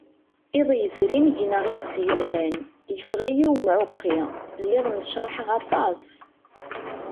Iḍ yezrin gneɣ iḍes yelhan, yeffeɣ-iyi umɛuqqi, lliɣ necraḥeɣ aṭas.